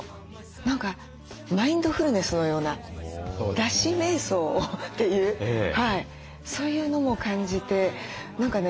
何かマインドフルネスのような「だしめい想」というそういうのも感じて何かね